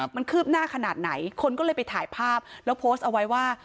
มันคืบหน้าขนาดไหนคนก็เลยไปถ่ายภาพแล้วโพสต์เอาไว้ว่า